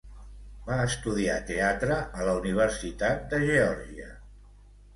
Va estudiar teatre a la Universitat de Geòrgia.